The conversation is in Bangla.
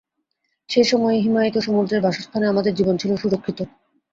সে সময়ে, হিমায়িত সমুদ্রের বাসস্থানে আমাদের জীবন ছিল সুরক্ষিত।